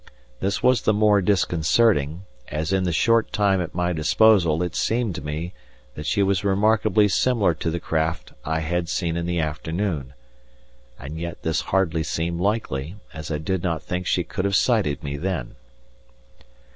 This was the more disconcerting, as in the short time at my disposal it seemed to me that she was remarkably similar to the craft I had seen in the afternoon, and yet this hardly seemed likely, as I did not think she could have sighted me then.